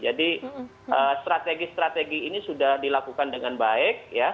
strategi strategi ini sudah dilakukan dengan baik